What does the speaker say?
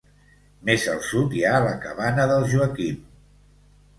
Més al sud hi ha la Cabana del Joaquim.